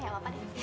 ya gapapa deh